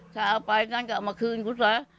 ถ้าเอาไปนั้นก็เอามาคืนกูซะ